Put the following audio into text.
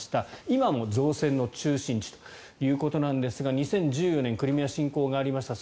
今も造船の中心地ということなんですが２０１４年クリミア侵攻がありました